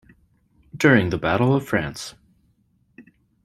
During the Battle of France.